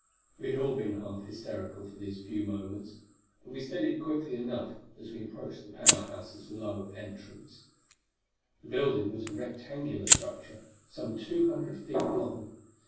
We had all been half hysterical for these few moments, but we steadied quickly enough as we approached the Power House's lower entrance. The building was a rectangular structure some two hundred feet long.